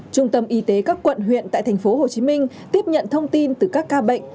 trung tâm y tế các quận huyện tại tp hcm tiếp nhận thông tin từ các ca bệnh